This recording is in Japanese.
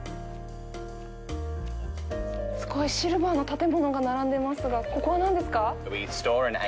すごいシルバーの建物が並んでますがここは何ですか。